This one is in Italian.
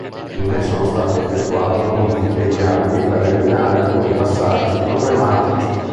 Infine sono state effettuate modifiche ai dialoghi per eliminare alcuni passaggi problematici.